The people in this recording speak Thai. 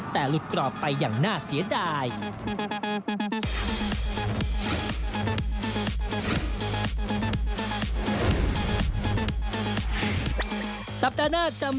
แต่หลุดกรอบไปอย่างน่าเสียดาย